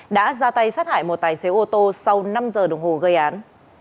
đã ra tay sát hại một tài xế ô tô sau năm giờ đồng hồ gây án